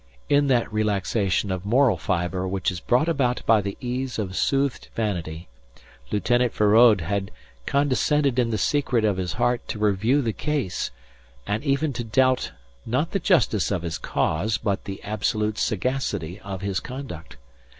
In that relaxation of moral fibre which is brought about by the ease of soothed vanity, Lieutenant Feraud had condescended in the secret of his heart to review the case, and even to doubt not the justice of his cause, but the absolute sagacity of his conduct.